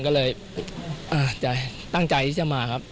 ก็เลยตั้งใจที่จะมาครับ